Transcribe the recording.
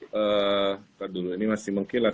tidak dulu ini masih mengkilat ya